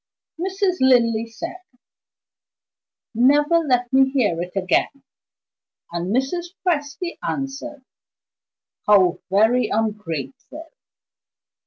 Mrs. Linley said: "Never let me hear it again!" And Mrs. Presty answered: "How very ungrateful!"